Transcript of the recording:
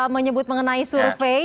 menyebut mengenai survei